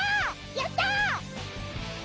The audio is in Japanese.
やった！